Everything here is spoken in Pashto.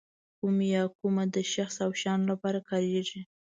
کوم یا کومه د شخص او شیانو لپاره کاریږي.